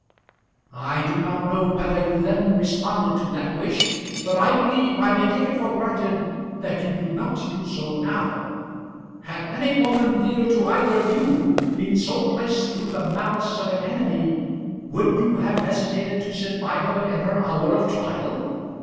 I do not know whether you then responded to that wish, but I believe I may take it for granted that you do not do so now. Had any woman dear to either of you been so placed through the malice of an enemy, would you have hesitated to sit by her in her hour of trial?